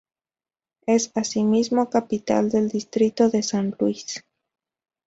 Es asimismo capital del distrito de San Luis.